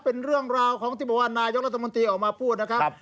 เป็นเรื่องราวของที่บอกว่านายกรัฐมนตรีออกมาพูดนะครับ